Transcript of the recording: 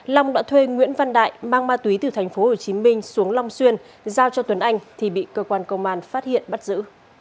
long đã thuê nguyễn văn đại mang ma túy từ tp hcm xuống long xuyên giao cho tuấn anh thì bị cơ quan công an phát hiện bắt giữ